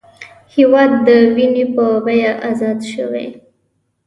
هېواد د وینې په بیه ازاد شوی